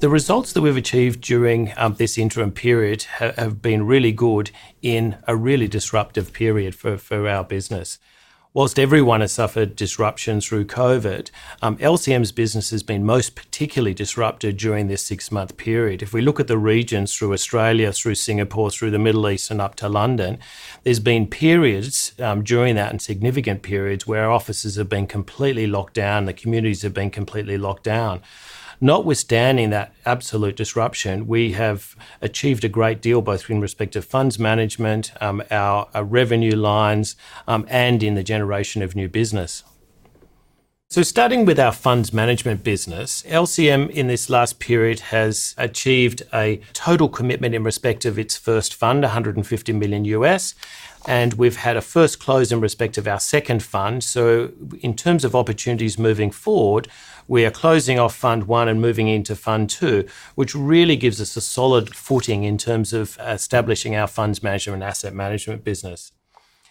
The results that we've achieved during this interim period have been really good in a really disruptive period for our business. Whilst everyone has suffered disruption through COVID, LCM's business has been most particularly disrupted during this six-month period. If we look at the regions through Australia, through Singapore, through the Middle East, and up to London, there's been periods during that, and significant periods, where our offices have been completely locked down, the communities have been completely locked down. Notwithstanding that absolute disruption, we have achieved a great deal, both in respect to funds management, our revenue lines, and in the generation of new business. Starting with our funds management business, LCM in this last period has achieved a total commitment in respect of its first fund, $150 million, and we've had a first close in respect of our second fund. In terms of opportunities moving forward, we are closing off fund one and moving into fund two, which really gives us a solid footing in terms of establishing our funds management and asset management business.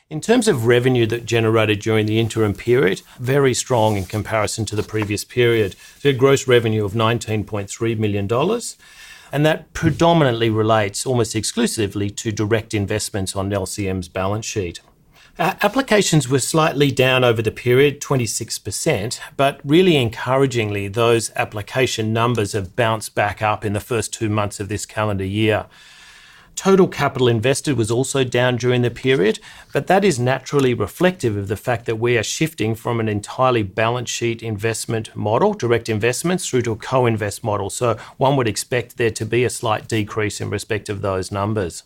In terms of revenue that generated during the interim period, very strong in comparison to the previous period. We had gross revenue of $19.3 million, and that predominantly relates almost exclusively to direct investments on LCM's balance sheet. Applications were slightly down over the period, 26%, but really encouragingly, those application numbers have bounced back up in the first two months of this calendar year. Total capital invested was also down during the period, but that is naturally reflective of the fact that we are shifting from an entirely balance sheet investment model, direct investments, through to a co-invest model, so one would expect there to be a slight decrease in respect of those numbers.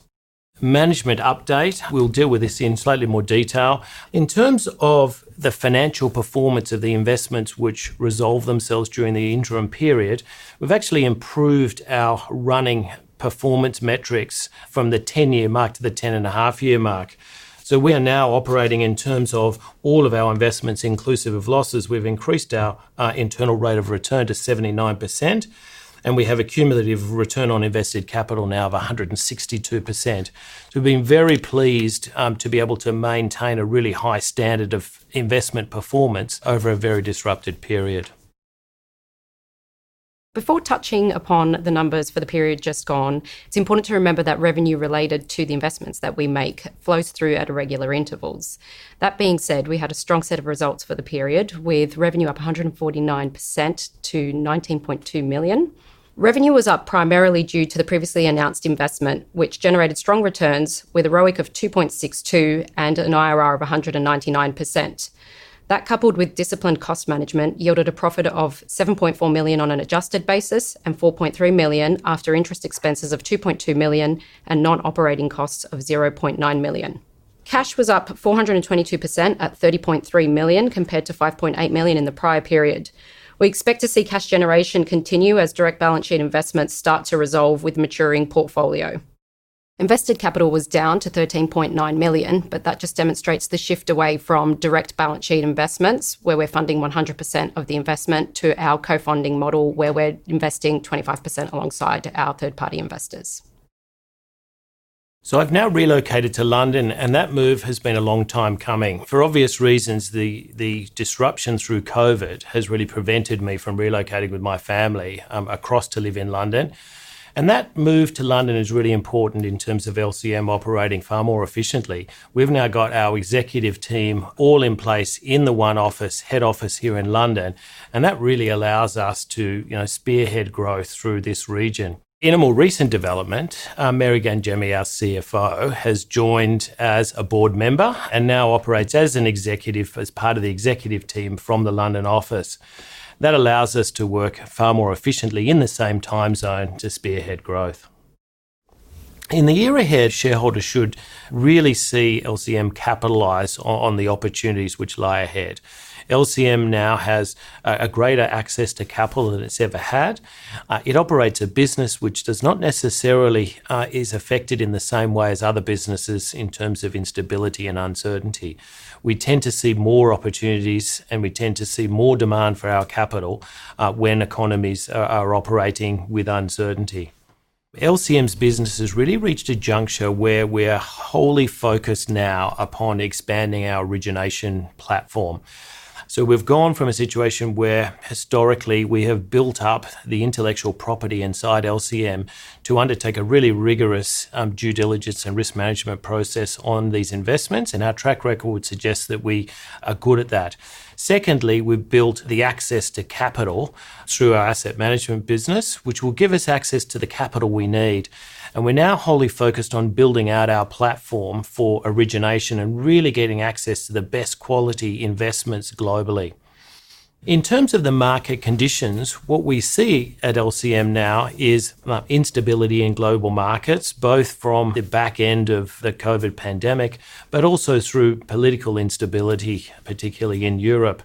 Management update, we'll deal with this in slightly more detail. In terms of the financial performance of the investments which resolve themselves during the interim period, we've actually improved our running performance metrics from the 10-year mark to the 10.5-year mark. We are now operating in terms of all of our investments inclusive of losses. We've increased our internal rate of return to 79%, and we have a cumulative return on invested capital now of 162%. We've been very pleased to be able to maintain a really high standard of investment performance over a very disrupted period. Before touching upon the numbers for the period just gone, it's important to remember that revenue related to the investments that we make flows through at irregular intervals. That being said, we had a strong set of results for the period, with revenue up 149% to 19.2 million. Revenue was up primarily due to the previously announced investment, which generated strong returns with a ROIC of 2.62 and an IRR of 199%. That coupled with disciplined cost management yielded a profit of 7.4 million on an adjusted basis and 4.3 million after interest expenses of 2.2 million and non-operating costs of 0.9 million. Cash was up 422% at 30.3 million compared to 5.8 million in the prior period. We expect to see cash generation continue as direct balance sheet investments start to resolve with maturing portfolio. Invested capital was down to 13.9 million, but that just demonstrates the shift away from direct balance sheet investments, where we're funding 100% of the investment, to our co-funding model, where we're investing 25% alongside our third-party investors. I've now relocated to London, and that move has been a long time coming. For obvious reasons, the disruption through COVID has really prevented me from relocating with my family across to live in London. That move to London is really important in terms of LCM operating far more efficiently. We've now got our executive team all in place in the one office, head office here in London, and that really allows us to, you know, spearhead growth through this region. In a more recent development, Mary Gangemi, our CFO, has joined as a board member and now operates as an executive, as part of the executive team from the London office. That allows us to work far more efficiently in the same time zone to spearhead growth. In the year ahead, shareholders should really see LCM capitalize on the opportunities which lie ahead. LCM now has a greater access to capital than it's ever had. It operates a business which does not necessarily is affected in the same way as other businesses in terms of instability and uncertainty. We tend to see more opportunities, and we tend to see more demand for our capital when economies are operating with uncertainty. LCM's business has really reached a juncture where we're wholly focused now upon expanding our origination platform. We've gone from a situation where historically we have built up the intellectual property inside LCM to undertake a really rigorous due diligence and risk management process on these investments, and our track record suggests that we are good at that. Secondly, we've built the access to capital through our asset management business, which will give us access to the capital we need. We're now wholly focused on building out our platform for origination and really getting access to the best quality investments globally. In terms of the market conditions, what we see at LCM now is instability in global markets, both from the back end of the COVID pandemic, but also through political instability, particularly in Europe.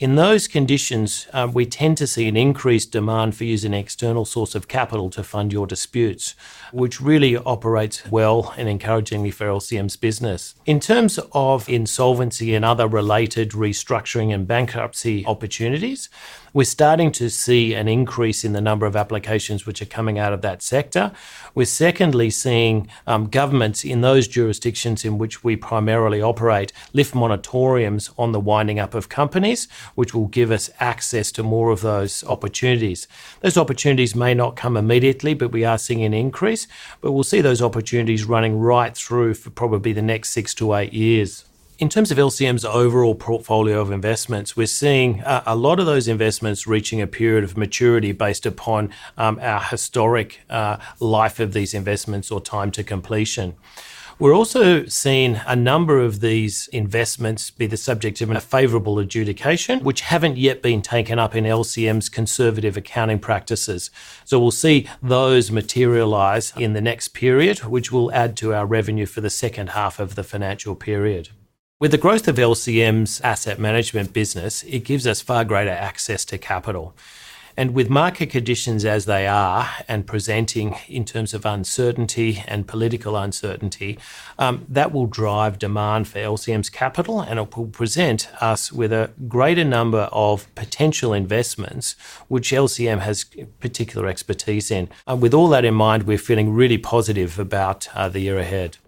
In those conditions, we tend to see an increased demand for using an external source of capital to fund your disputes, which really operates well and encouragingly for LCM's business. In terms of insolvency and other related restructuring and bankruptcy opportunities, we're starting to see an increase in the number of applications which are coming out of that sector. We're secondly seeing governments in those jurisdictions in which we primarily operate lift moratoriums on the winding up of companies, which will give us access to more of those opportunities. Those opportunities may not come immediately, but we are seeing an increase, but we'll see those opportunities running right through for probably the next six to eight years. In terms of LCM's overall portfolio of investments, we're seeing a lot of those investments reaching a period of maturity based upon our historic life of these investments or time to completion. We're also seeing a number of these investments be the subject of a favorable adjudication, which haven't yet been taken up in LCM's conservative accounting practices. We'll see those materialize in the next period, which will add to our revenue for the H2 of the financial period. With the growth of LCM's asset management business, it gives us far greater access to capital. With market conditions as they are, and presenting in terms of uncertainty and political uncertainty, that will drive demand for LCM's capital and it will present us with a greater number of potential investments which LCM has particular expertise in. With all that in mind, we're feeling really positive about the year ahead.